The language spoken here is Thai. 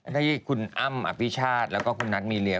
ที่คุณอ้ำอภิชาติแล้วก็คุณนัทมีเรีย